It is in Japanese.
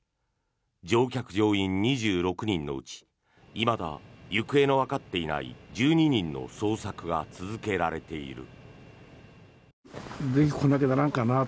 乗客・乗員２６人のうちいまだ行方のわかっていない１２人の捜索が続けられている。